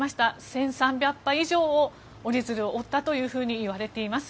１３００羽以上の折り鶴を折ったといわれています。